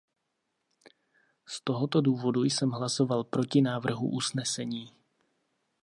Z tohoto důvodu jsem hlasoval proti návrhu usnesení.